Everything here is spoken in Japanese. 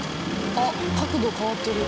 あっ角度変わってる。